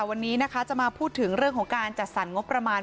วันนี้นะคะจะมาพูดถึงเรื่องของการจัดสรรงบประมาณ